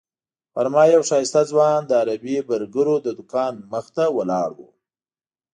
غرمه یو ښایسته ځوان د عربي برګرو د دوکان مخې ته ولاړ و.